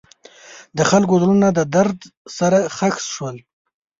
د خلکو زړونه د درد سره ښخ شول.